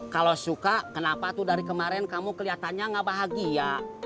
kalau suka kenapa tuh dari kemarin kamu kelihatannya nggak bahagia